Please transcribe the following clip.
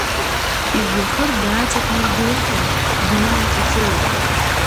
Ижәҩахыр дааҵакны длыхан, дима иҿыҩеихеит.